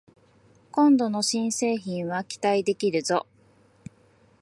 今度の新製品は期待できるぞ